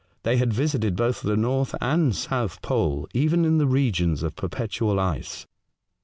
They had visited both the North and South Pole, even in the regions of perpetual ice.